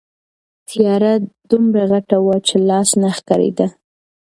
تیاره دومره غټه وه چې لاس نه ښکارېده.